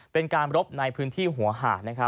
เป็นการรบในพื้นที่หัวหาด